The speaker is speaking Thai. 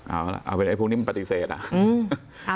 เอาละเอาไปด้วยพวกนี้มันปฏิเสธอ่ะ